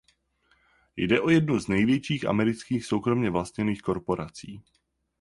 Jde o jednu z největších amerických soukromě vlastněných korporací.